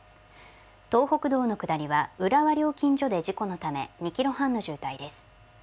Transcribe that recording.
東北道の下りは浦和料金所で事故のため２キロ半の渋滞です。